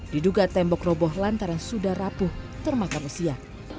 diduga tembok roboh lantaran sudah rapuh termakam usia